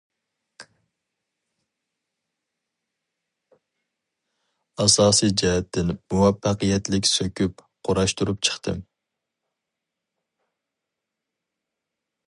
ئاساسىي جەھەتتىن مۇۋەپپەقىيەتلىك سۆكۈپ قۇراشتۇرۇپ چىقتىم.